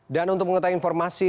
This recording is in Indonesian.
dan untuk mengetahui informasi